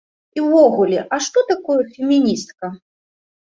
І ўвогуле, а што такое феміністка?